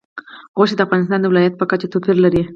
غوښې د افغانستان د ولایاتو په کچه توپیر لري.